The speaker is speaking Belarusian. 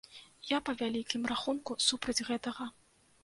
Я, па вялікім рахунку, супраць гэтага.